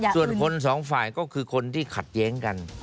ส่วนคนสองฝ่ายก็คือคนที่ขัดแย้งกัน